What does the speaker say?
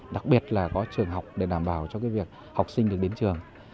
đặc biệt là có trường học để đảm bảo cho việc học sinh được đến trường